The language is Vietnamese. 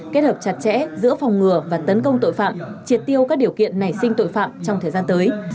kết hợp chặt chẽ giữa phòng ngừa và tấn công tội phạm triệt tiêu các điều kiện nảy sinh tội phạm trong thời gian tới